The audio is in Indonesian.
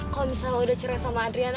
kalau misalnya lo udah cerai sama adriana